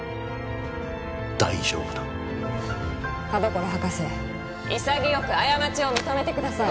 大丈夫だ田所博士いさぎよく過ちを認めてください